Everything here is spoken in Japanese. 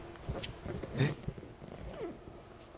えっ？